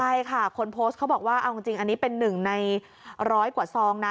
ใช่ค่ะคนโพสต์เขาบอกว่าเอาจริงอันนี้เป็นหนึ่งในร้อยกว่าซองนะ